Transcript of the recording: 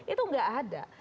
itu tidak ada